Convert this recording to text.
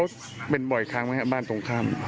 แล้วเป็นบ่อยครั้งไหมครับบ้านตรงข้าม